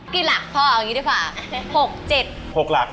กี่หลักพ่อว่าอย่างงี้ได้ปะ๖๗